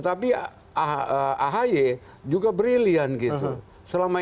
nah yang terlihat bahwa